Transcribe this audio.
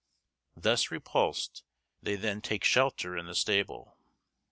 Thus repulsed, they then take shelter in the stable.